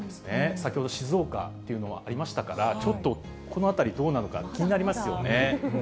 先ほど、静岡というのもありましたから、ちょっとこのあたり、どうなのか、気になりますよね。